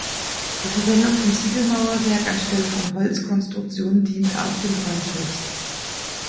Die Verwendung von Ziegelmauerwerk anstelle von Holzkonstruktionen dient auch dem Brandschutz.